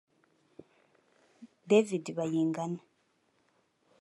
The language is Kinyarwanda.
David Bayingana